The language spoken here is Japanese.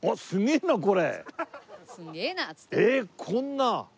こんな。